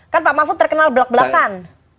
kan pak mahfud terkenal belak belakan